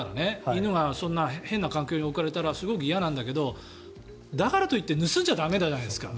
犬がそんな変な環境に置かれたら、すごく嫌なんだけどだからと言って盗んじゃ駄目じゃないですか